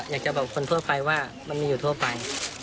อยากจะบอกคนทั่วไปว่ามันมีอยู่ทั่วไป